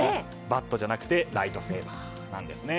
バットじゃなくてライトセーバーなんですね。